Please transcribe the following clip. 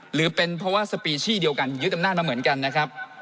หรือเป็นเพราะว่าสปีชี่เดียวกันยึดอำนาจมาเหมือนกันนะครับ